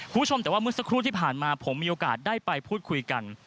คุณผู้ชมแต่ว่าเมื่อสักครู่ที่ผ่านมาผมมีโอกาสได้ไปพูดคุยกัน